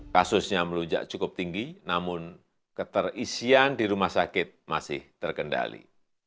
kasusnya melujak cukup tinggi namun keterisian di rumah sakit masih terkendali